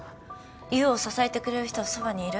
優を支えてくれる人はそばにいる？